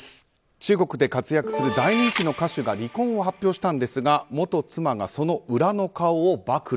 中国で活躍する大人気の歌手が離婚を発表したんですが元妻がその裏の顔を暴露。